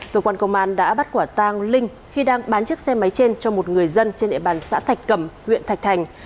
cơ quan công an đã bắt quả tang linh khi đang bán chiếc xe máy trên cho một người dân trên địa bàn xã thạch cẩm huyện thạch thành